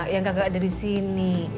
yang nggak ada di sini